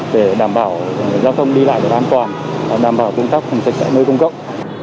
để đảm bảo giao thông đi lại được an toàn đảm bảo công tác không xảy ra nơi cung cấp